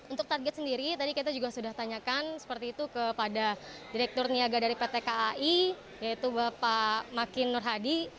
untuk target sendiri tadi kita juga sudah tanyakan seperti itu kepada direktur niaga dari pt kai yaitu bapak makin nur hadi